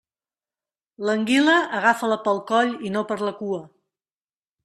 L'anguila, agafa-la pel coll i no per la cua.